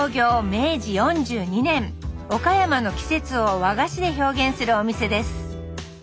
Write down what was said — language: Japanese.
岡山の季節を和菓子で表現するお店です。